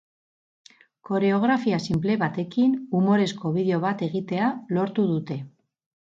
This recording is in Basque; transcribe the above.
Koreografia sinple batekin, umorezko bideo bat egitea lortu dute.